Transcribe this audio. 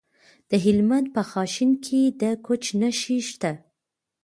د هلمند په خانشین کې د ګچ نښې شته.